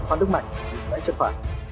hoan đức mạnh đã chấp phạt